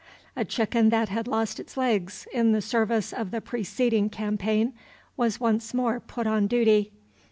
A chicken that had lost his legs in the service of the preceding campaign was once more put on duty.